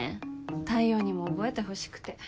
太陽にも覚えてほしくて。